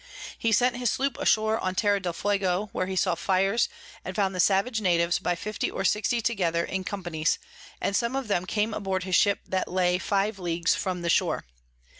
He sent his Sloop ashore on Terra del Fuego, where he saw Fires, and found the savage Natives by 50 or 60 together in Companies, and some of them came aboard his Ship that lay 5 Ls. from the shore.